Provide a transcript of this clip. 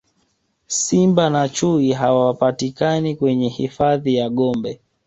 simba na chui hawapatikani kwenye hifadhi ya gombe